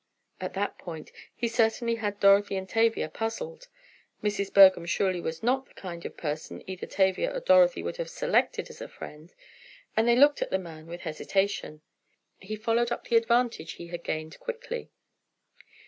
On that point he certainly had Dorothy and Tavia puzzled. Mrs. Bergham surely was not the kind of a person either Tavia or Dorothy would have selected as a friend, and they looked at the man with hesitation. He followed up the advantage he had gained quickly.